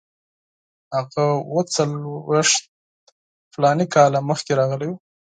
هغه اوه څلوېښت فلاني کاله مخکې راغلی وو.